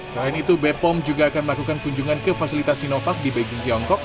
selain itu bepom juga akan melakukan kunjungan ke fasilitas sinovac di beijing tiongkok